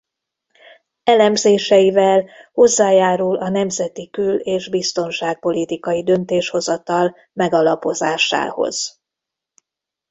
Elemzéseivel hozzájárul a nemzeti kül- és biztonságpolitikai döntéshozatal megalapozásához.